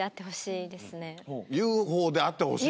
ＵＦＯであってほしい？